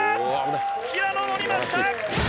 平野乗りました。